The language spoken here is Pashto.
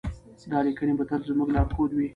دا لیکنې به تل زموږ لارښود وي.